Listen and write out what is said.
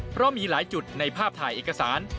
เพราะมีหลายจุดในภาพถ่ายเอกสาร